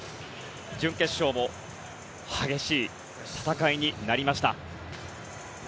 準決勝も激しい戦いになりました。